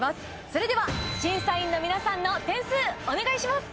それでは審査員の皆さんの点数お願いします。